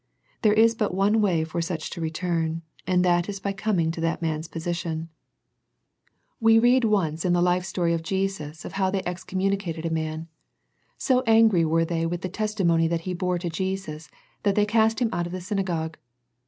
There is but one way for such to return, and that is by coming to that man's position. The Laodicea Letter 211 We read once in the life story of Jesus of how they excommunicated a man. So angry were they with the testimony that he bore to Jesus, that they cast him out of the synagogue.